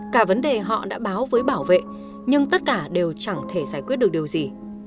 cả vấn đề họ đã báo với bảo vệ nhưng tất cả đều chẳng thể giải quyết được điều gì